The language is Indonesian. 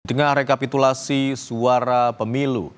tengah rekapitulasi suara pemilu